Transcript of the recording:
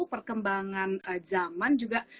perkembangan zaman juga